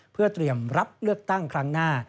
เพื่อเตรียมรับเลือกตั้งครั้งหน้า